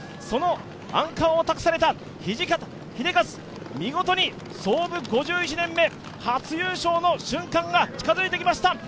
そのアンカーを託された土方英和見事に創部５１年目初優勝の瞬間が近づいてきました。